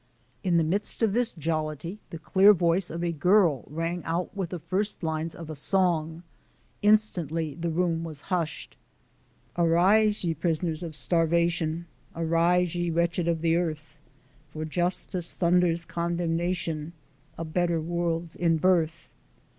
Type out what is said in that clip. In the midst of this jollity the clear voice of a girl rang out with the first lines of a song. Instantly the room was hushed: Arise, ye prisoners of starvation, Arise, ye wretched of the earth, For justice thunders condemnation A better world's in birth.